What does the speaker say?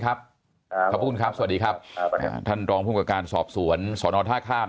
ขอบคุณครับสวัสดีครับท่านรองภูมิกับการสอบสวนสอนอท่าข้าม